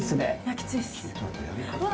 きついっす。